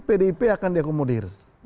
pdip akan diakomodir